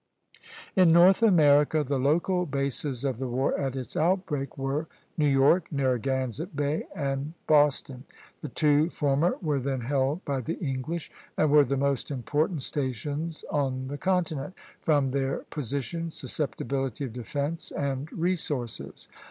In North America the local bases of the war at its outbreak were New York, Narragansett Bay, and Boston. The two former were then held by the English, and were the most important stations on the continent, from their position, susceptibility of defence, and resources.